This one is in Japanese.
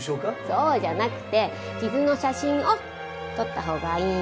そうじゃなくて傷の写真を撮ったほうがいいんじゃない？